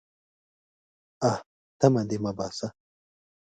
_اه! تمه دې مه باسه.